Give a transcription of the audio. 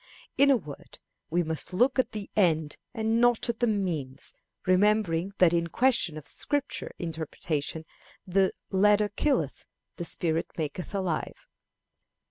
In a word, we must look at the end and not at the means, remembering that in questions of Scripture interpretation the "letter killeth, the spirit maketh alive."